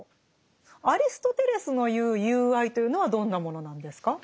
アリストテレスの言う「友愛」というのはどんなものなんですか？